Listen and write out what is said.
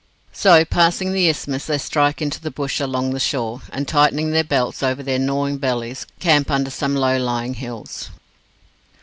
So, passing the isthmus, they strike into the bush along the shore, and tightening their belts over their gnawing bellies, camp under some low lying hills.